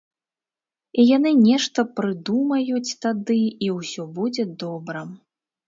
І яны нешта прыдумаюць тады, і ўсё будзе добра.